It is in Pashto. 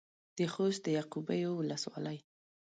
د خوست د يعقوبيو ولسوالۍ.